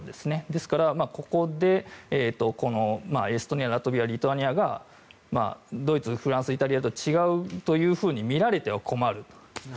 ですから、ここでエストニアリトアニア、ラトビアがドイツ、フランス、イタリアとは違うというふうに見られては困ると。